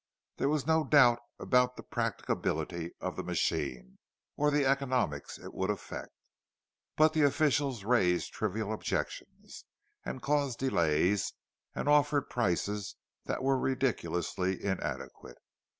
There was no doubt about the practicability of the machine, or the economies it would effect; but the officials raised trivial objections, and caused delays, and offered prices that were ridiculously inadequate.